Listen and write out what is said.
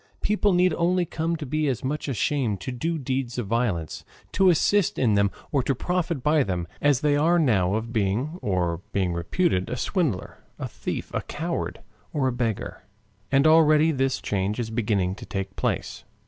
People need only come to be as much ashamed to do deeds of violence, to assist in them or to profit by them, as they now are of being, or being reputed a swindler, a thief, a coward, or a beggar. And already this change is beginning to take place.